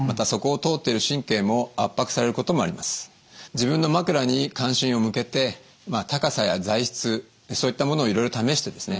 自分の枕に関心を向けて高さや材質そういったものをいろいろ試してですね